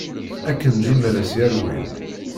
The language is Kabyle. Akken d imalas yerwin!